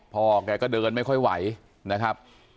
พ่อแกก็เดินไม่ค่อยไหวนะครับ